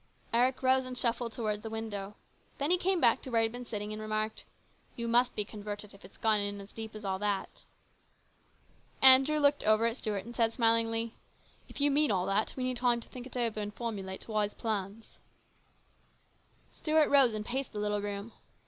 Eric rose and shuffled towards the window. Then he came back to where he had been sitting and remarked, " You must be converted if it's gone in as deep as all that !" Andrew looked over at Stuart and said smilingly "If you mean all that, we need time to think it over and formulate wise plans." Stuart rose and paced the little room.